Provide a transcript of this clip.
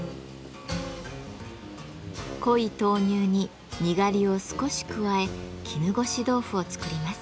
濃い豆乳ににがりを少し加え絹ごし豆腐を作ります。